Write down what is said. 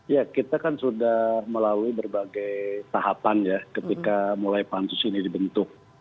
ya kita kan sudah melalui berbagai tahapan ya ketika mulai pansus ini dibentuk